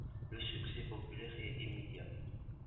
Le succès populaire est immédiat.